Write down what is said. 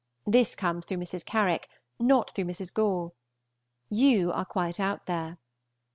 This comes through Mrs. Carrick, not through Mrs. Gore. You are quite out there.